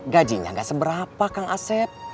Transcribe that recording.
gajinya gak seberapa kang asep